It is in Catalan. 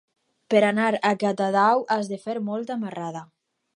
Per anar a Catadau has de fer molta marrada.